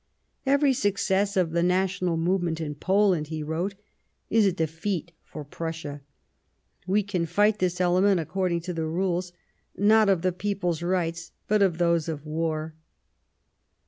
" Every success of the national movement in Poland," he wrote, " is a defeat for Prussia ; we can fight this element according to the rules, not of the people's rights, but of those of war.